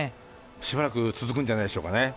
しばらく続くんじゃないでしょうかね。